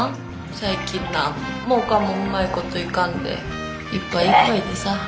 最近何もかもうまいこといかんでいっぱいいっぱいでさ。